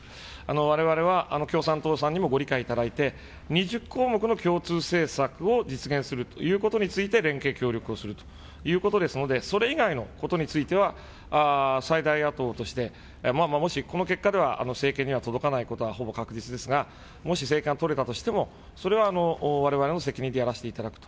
われわれは共産党さんにもご理解いただいて、２０項目の共通政策を実現するということについて、連携協力をするということですので、それ以外のことについては、最大野党として、もし、この結果では政権には届かないことはほぼ確実ですが、もし政権が取れたとしても、それはわれわれの責任でやらしていただくと。